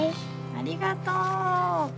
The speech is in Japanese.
ありがとう。